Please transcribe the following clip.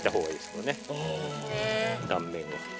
断面を。